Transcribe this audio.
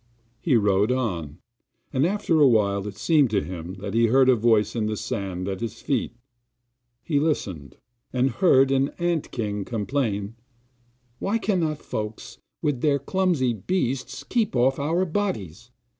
He rode on, and after a while it seemed to him that he heard a voice in the sand at his feet. He listened, and heard an ant king complain: 'Why cannot folks, with their clumsy beasts, keep off our bodies?